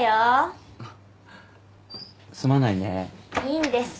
いいんです。